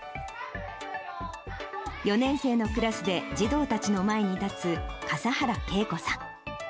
４年生のクラスで児童たちの前に立つ笠原恵子さん。